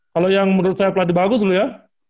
kalau yang menurut saya pelatih bagus loh ya